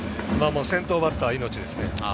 先頭バッター命ですね。